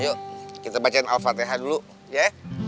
yuk kita bacain al fatihah dulu ya